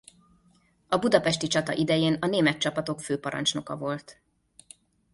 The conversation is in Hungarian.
A budapesti csata idején a német csapatok főparancsnoka volt.